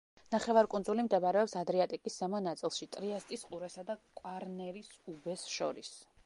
ნახევარკუნძული მდებარეობს ადრიატიკის ზემო ნაწილში ტრიესტის ყურესა და კვარნერის უბეს შორის.